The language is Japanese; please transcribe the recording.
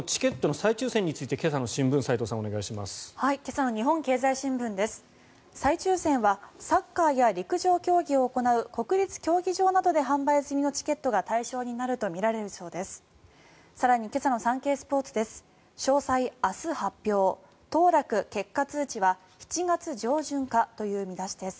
再抽選はサッカーや陸上競技を行う国立競技場などで販売済みのチケットが対象になるとみられるそうです。